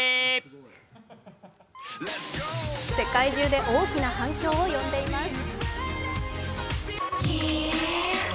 世界中で大きな反響を呼んでいます。